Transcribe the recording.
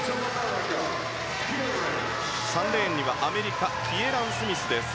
３レーンにはアメリカキエラン・スミスです。